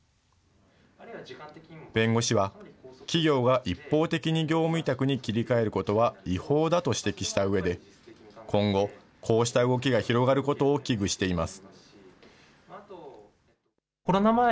弁護士は、企業が一方的に業務委託に切り替えることは違法だと指摘したうえで、今後、こうした動きが広がることを危惧しています。